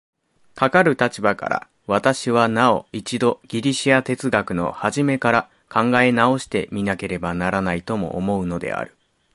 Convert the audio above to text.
かかる立場から、私はなお一度ギリシヤ哲学の始から考え直して見なければならないとも思うのである。